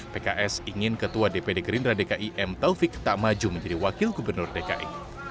pks ingin ketua dpd gerindra dki m taufik tak maju menjadi wakil gubernur dki